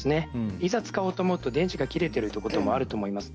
いざ使おうとなると電池が切れているということもあると思います。